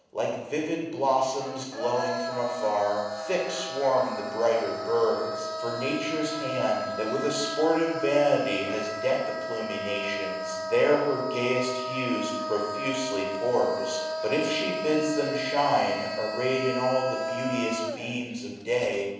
Like vivid blossoms glowing from afar, Thick swarm the brighter birds. For Nature's hand. That with a sportive vanity has deck'd 736 The plumy nations, there her gayest hues Profusely pours. But, if she bids them shine, Array'd in all the beauteous beams of day.